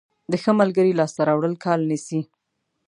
د ښه ملګري لاسته راوړل کال نیسي.